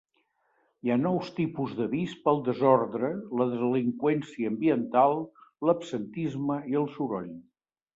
Hi ha nous tipus d'avís pel desordre, la delinqüència ambiental, l'absentisme i el soroll.